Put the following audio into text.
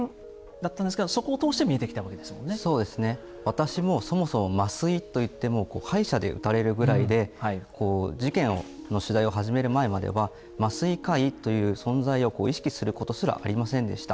私もそもそも麻酔といっても歯医者で打たれるぐらいで事件の取材を始める前までは麻酔科医という存在を意識することすらありませんでした。